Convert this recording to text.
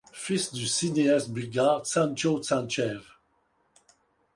Fils du cinéaste bulgare Tzantcho Tzantchev.